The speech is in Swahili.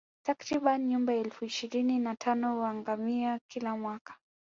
Takribani nyumbu elfu ishirini na tano huangamia kila mwaka